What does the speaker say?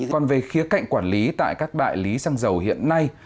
còn về khía cạnh quản lý tại các đại lý xăng dầu hiện nay